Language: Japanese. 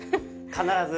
必ず。